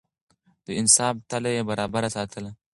د انصاف تله يې برابره ساتله.